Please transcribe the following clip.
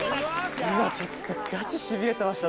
うわちょっとガチ痺れてました